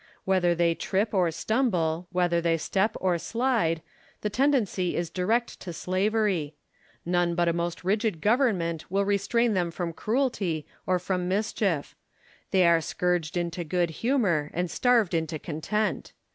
Whether they trip or tumble, whether they step or slide, the tendency is direct to slavery ; none but a most rigid government will restrain them from cruelty or from 1 34 IMA GINAR Y CONVERSA TIONS. mischief ; they are scourged into good humour and starved into content.